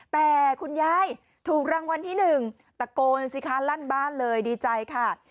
แต่คุณยายถูกรางวัลที่๑ตะโกนสิคะลั่นบ้านเลยดีใจค่ะ